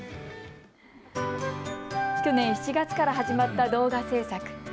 去年７月から始まった動画制作。